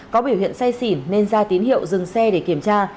có biểu hiện say xỉn nên ra tín hiệu dừng xe để kiểm tra